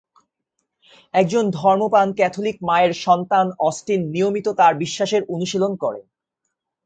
একজন ধর্মপ্রাণ ক্যাথলিক মায়ের সন্তান অস্টিন নিয়মিত তার বিশ্বাসের অনুশীলন করে।